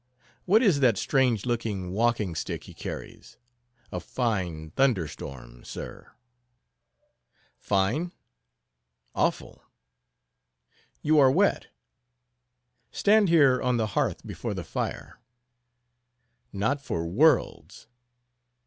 What is that strange looking walking stick he carries: "A fine thunder storm, sir." "Fine?—Awful!" "You are wet. Stand here on the hearth before the fire." "Not for worlds!"